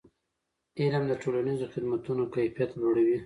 علم د ټولنیزو خدمتونو کیفیت لوړوي.